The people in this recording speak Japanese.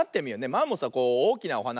マンモスはこうおおきなおはな。